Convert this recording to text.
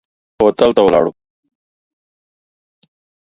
هوټل ته ولاړو.